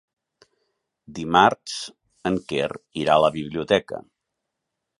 Dimarts en Quer irà a la biblioteca.